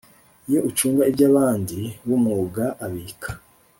Iyo ucunga iby abandi w umwuga abika